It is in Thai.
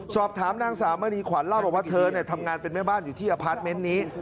สอบถามนางสาวมณีขวัญเล่าบอกว่าเธอทำงานเป็นแม่บ้านอยู่ที่อพาร์ทเมนต์นี้